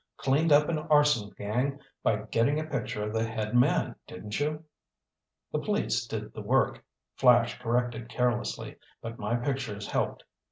"Cleaned up an arson gang by getting a picture of the head man, didn't you?" "The police did the work," Flash corrected carelessly, "but my pictures helped.